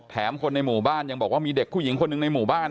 คนในหมู่บ้านยังบอกว่ามีเด็กผู้หญิงคนหนึ่งในหมู่บ้าน